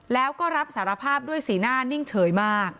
แล้วก็รับสารภาพด้วยสีหน้านิ่งเฉยมาก